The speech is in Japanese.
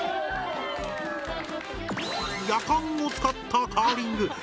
ヤカンを使ったカーリング。